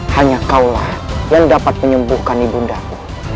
hanya kaulah yang dapat menyembuhkan ibu undaku